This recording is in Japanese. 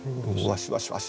ワシワシワシ。